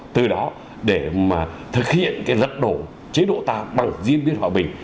từ đó để mà thực hiện cái giật đổ chế độ ta bằng riêng biến hòa bình